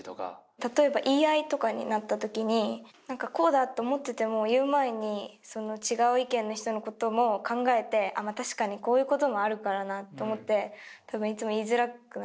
例えば言い合いとかになった時に何かこうだって思ってても言う前に違う意見の人のことも考えて確かにこういうこともあるからなと思って多分いつも言いづらくなっちゃう。